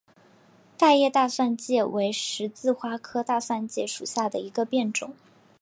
大叶大蒜芥为十字花科大蒜芥属下的一个变种。